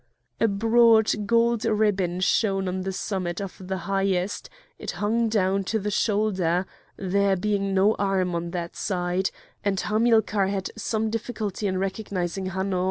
A broad gold ribbon shone on the summit of the highest; it hung down to the shoulder, there being no arm on that side, and Hamilcar had some difficulty in recognising Hanno.